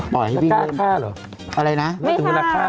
ปล่อยให้พี่เว้นอะไรนะไม่ฆ่าหรอไม่ฆ่า